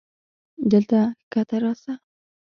دلته کښته راسه.